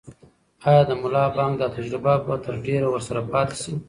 آیا د ملا بانګ دا تجربه به تر ډېره ورسره پاتې شي؟